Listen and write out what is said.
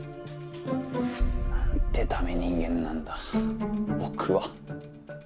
何て駄目人間なんだ僕は。